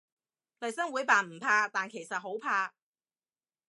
利申會扮唔怕，但其實好怕